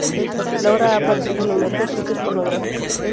Laura ha aparecido en numerosos sitios pornográficos.